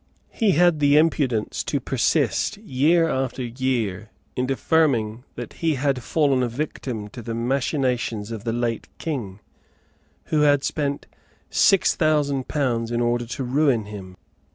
He had the impudence to persist, year after year, in affirming that he had fallen a victim to the machinations of the late King, who had spent six thousand pounds in order to ruin him.